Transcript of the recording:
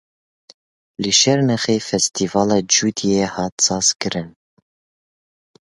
Li Şirnexê Festîvala Cudiyê hat sazkirin.